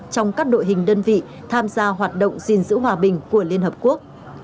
trong các đội hình đơn vị tham gia hoạt động gìn giữ hòa bình của liên hợp quốc